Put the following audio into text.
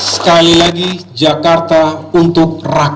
sekali lagi jakarta untuk rakyat